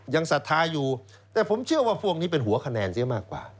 ศรัทธาอยู่แต่ผมเชื่อว่าพวกนี้เป็นหัวคะแนนเสียมากกว่า